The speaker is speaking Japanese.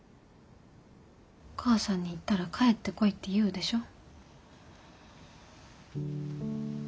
お母さんに言ったら帰ってこいって言うでしょ？